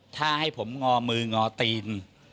ถ้าให้ผมงอมืองอตีน